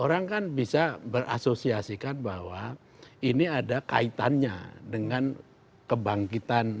orang kan bisa berasosiasikan bahwa ini ada kaitannya dengan kebangkitan